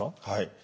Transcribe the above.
はい。